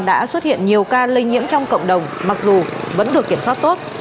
đã xuất hiện nhiều ca lây nhiễm trong cộng đồng mặc dù vẫn được kiểm soát tốt